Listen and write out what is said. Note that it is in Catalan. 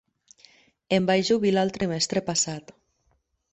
Em vaig jubilar el trimestre passat.